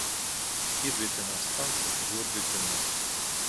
Ир битен асҡансы, гүр битен ас.